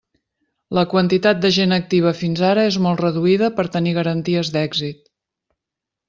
La quantitat de gent activa fins ara és molt reduïda per tenir garanties d'èxit.